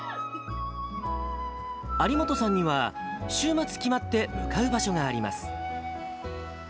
有本さんには、週末、決まって向かう場所があります。